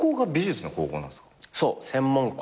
そう専門校。